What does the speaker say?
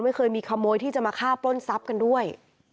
ไม่เคยมีขโมยที่จะมาฆ่าปล้นทรัพย์กันด้วย